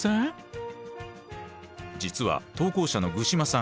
実は投稿者の具嶋さん